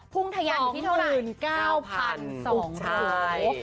พ่วงตัยอย่างที่เท่าไหร่